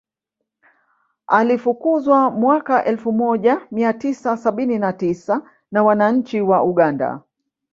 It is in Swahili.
Alifukuzwa mwaka elfu moja mia tisa sabini na tisa na wananchi wa Uganda